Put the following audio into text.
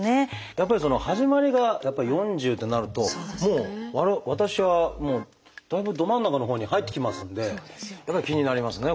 やっぱり始まりが４０ってなると私はだいぶど真ん中のほうに入ってきますのでやっぱり気になりますね